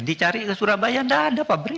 dicari ke surabaya tidak ada pabrik